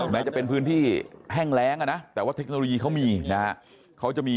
แม้จะเป็นพื้นที่แห้งแล้วนะแต่ว่าเทคโนโลยีเขามีนะคะ